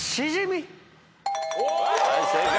はい正解。